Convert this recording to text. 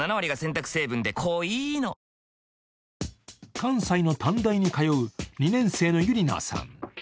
関西の短大に通う２年生のゆりなさん。